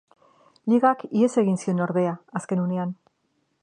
Ligak ihes egin zion ordea azken unean.